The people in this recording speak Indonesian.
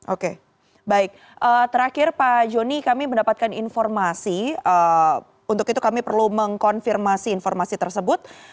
oke baik terakhir pak joni kami mendapatkan informasi untuk itu kami perlu mengkonfirmasi informasi tersebut